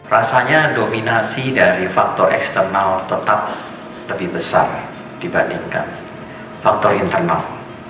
rasanya dominasi dari faktor eksternal tetap lebih besar dibandingkan faktor internal